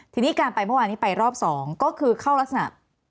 ทีนี้การไปเมื่อวานนี้ไปรอบ๒ก็คือเข้ารักษณะ